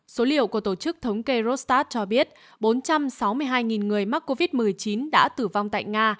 số liệu của tổ chức thống kê rostat cho biết bốn trăm sáu mươi hai người mắc covid một mươi chín đã tử vong tại nga